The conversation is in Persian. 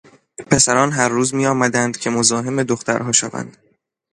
پسران هر روز میآمدند که مزاحم دخترها شوند.